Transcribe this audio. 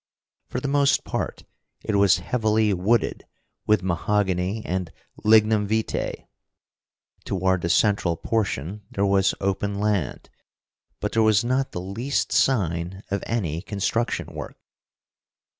For the most part it was heavily wooded with mahogany and lignum vitae: toward the central portion there was open land, but there was not the least sign of any construction work.